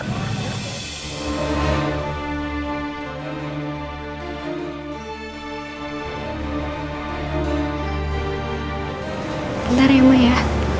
bentar ya ma ya